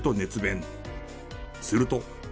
すると。